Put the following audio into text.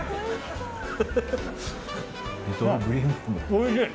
おいしい！